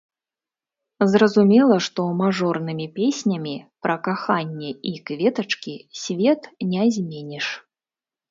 Зразумела, што мажорнымі песнямі пра каханне і кветачкі свет не зменіш.